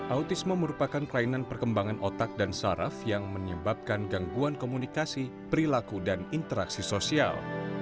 autisme merupakan kelainan perkembangan otak dan saraf yang menyebabkan gangguan komunikasi perilaku dan interaksi sosial